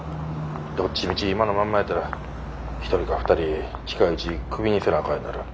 どっちみち今のまんまやったら１人か２人近いうちクビにせなあかんようになる。